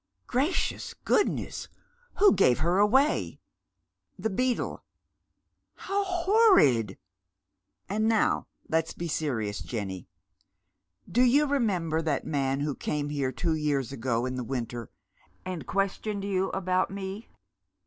" Gracious goodness ! Who gave her away ?"" The beadle." ♦' How hon id !"" And now let's be serious, Jenny. Do you remember that man who came here two years ago in the winter, and questioned you about me